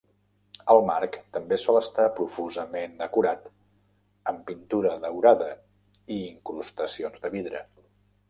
El marc també sol estar profusament decorat amb pintura daurada i incrustacions de vidre.